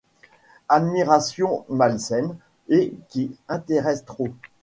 Admiration malsaine, et qui intéresse trop.